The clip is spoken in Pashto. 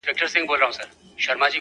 لوړ دی ورگورمه” تر ټولو غرو پامير ښه دی”